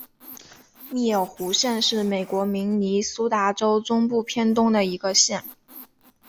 密尔湖县是美国明尼苏达州中部偏东的一个县。